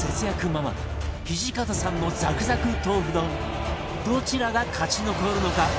ママ土方さんのザクザク豆腐丼どちらが勝ち残るのか？